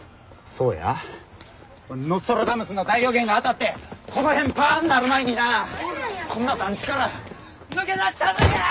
そうやノストラダムスの大予言が当たってこの辺バンなる前になこんな団地から抜け出したるんや！